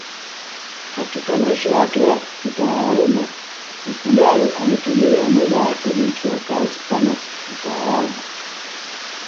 Katika maisha yake ya kitaaluma Mfugale ametumia muda wake mwingi wa kazi kama mtaalamu